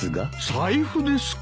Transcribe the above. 財布ですか。